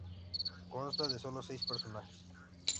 Consta de solo seis personajes.